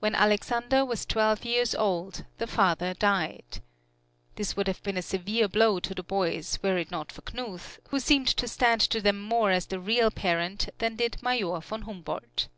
When Alexander was twelve years old, the father died. This would have been a severe blow to the boys were it not for Knuth, who seemed to stand to them more as the real parent than did Major von Humboldt.